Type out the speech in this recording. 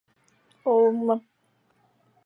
现时这条街道是香港著名的购物区之一。